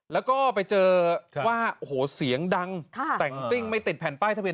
แล้วก็ไปเจอว่าโอ้โหเสียงดังแต่งซิ่งไม่ติดแผ่นป้ายทะเบีย